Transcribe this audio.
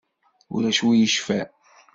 Ulac win i yecfan.